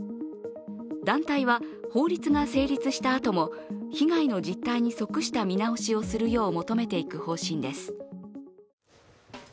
団体は法律が成立した後も、被害の実態に即した見直しをするよう求めていく方針です。